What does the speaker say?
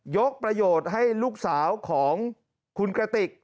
ประโยชน์ให้ลูกสาวของคุณกระติก